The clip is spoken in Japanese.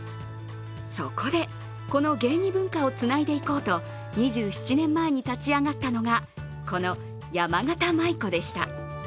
そこで、この芸妓文化をつないでいこうと、２７年前に立ち上がったのがこのやまがた舞子でした。